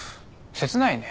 切ないね。